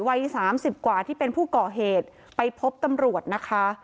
วัยสามสิบกว่าที่เป็นผู้ก่อเหตุไปพบตำรวจนะคะ